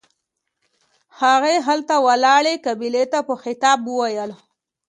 هغې هلته ولاړې قابلې ته په خطاب وويل.